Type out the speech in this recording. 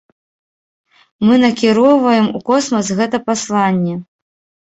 Мы накіроўваем у космас гэта пасланне.